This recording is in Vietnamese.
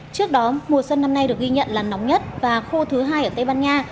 trước đó mùa xuân năm nay được ghi nhận là nóng nhất và khô thứ hai ở tây ban nha